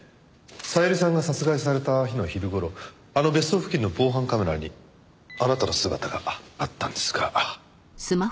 小百合さんが殺害された日の昼頃あの別荘付近の防犯カメラにあなたの姿があったんですが。